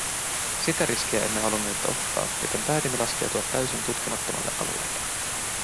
Sitä riskiä emme halunneet ottaa, joten päätimme laskeutua täysin tutkimattomalle alueelle.